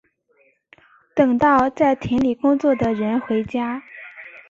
等到在田里工作的人回家